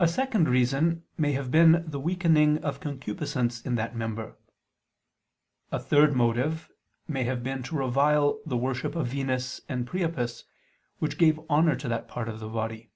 A second reason may have been the weakening of concupiscence in that member. A third motive may have been to revile the worship of Venus and Priapus, which gave honor to that part of the body.